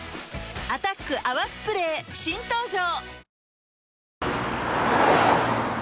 「アタック泡スプレー」新登場